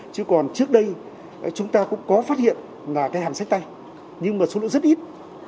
chứ còn trước đây chúng ta cũng có phát hiện là cái hàm sách tay nhưng mà số lượng rất ít